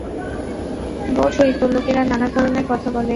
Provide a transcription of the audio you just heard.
বোঝোইতো, লোকেরা নানাধরণের কথা বলে।